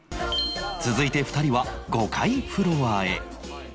続いて２人は５階フロアへ